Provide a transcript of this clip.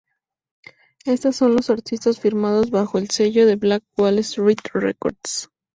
Estos son los artistas firmados bajo el sello de Black Wall street records.